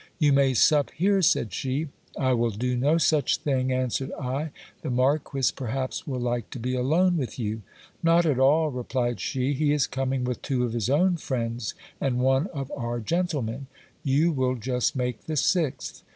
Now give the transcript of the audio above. You may sup here, said she. I will do no such thing, answered I ; the marquis perhaps will like to be alone with you. Not at all, re plied she ; he is coming with two of his own friends and one of our gentlemen ; you will just make the sixth.